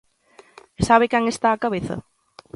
E ¿sabe quen está á cabeza?